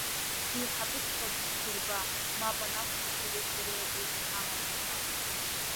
Шәеиҳабыҵәҟьа дысшәырба, мап анакәха шәареи сареи ус ҳамам иҳәан.